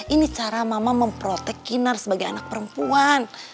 ini cara mama memprotek kinar sebagai anak perempuan